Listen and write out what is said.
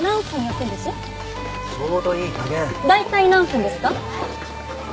大体何分ですか？